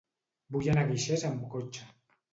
Vull anar a Guixers amb cotxe.